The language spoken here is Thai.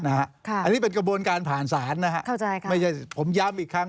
อันนี้เป็นกระบวนการผ่านสารนะครับผมย้ำอีกครั้งค่ะเข้าใจครับ